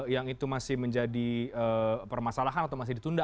yang itu masih menjadi permasalahan atau masih ditunda